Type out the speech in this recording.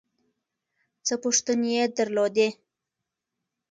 څه پوښتنې یې درلودې.